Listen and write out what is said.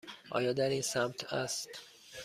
آیا در این سمت است؟